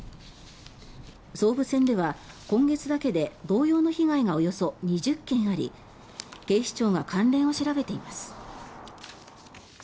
総武線では今月だけで同様の被害がおよそ２０件あり警視庁が関連を調べています。